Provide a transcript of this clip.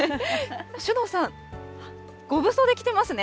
首藤さん、５分袖着てますね。